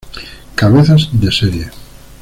Cabezas de serie